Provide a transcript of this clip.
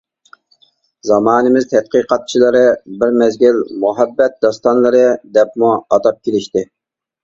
زامانىمىز تەتقىقاتچىلىرى بىر مەزگىل «مۇھەببەت داستانلىرى» دەپمۇ ئاتاپ كېلىشتى.